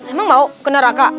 emang mau ke neraka